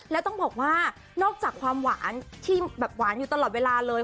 แล้วต้องบอกว่านอกจากความหวานที่แบบหวานอยู่ตลอดเวลาเลย